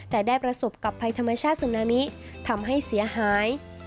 แต่ได้ประสบกับภัยธรรมชาติสุนามิทำให้เสียหาย